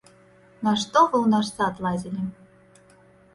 Нашто вы ў наш сад лазілі?